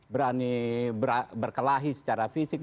berani berkelahi secara fisik